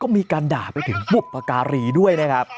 มีการด่าไปถึงบุปการีด้วยนะครับ